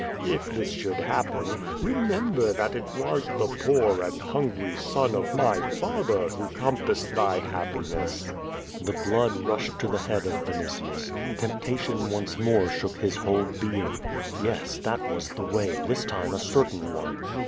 If this should happen, remember that it was the poor and hungry son of my father who compassed thy happiness." The blood rushed to the head of Vinitius. Temptation once more shook his whole being. Yes, that was the way, this time a certain one.